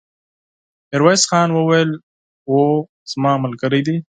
ميرويس خان وويل: هو، زما ملګری دی!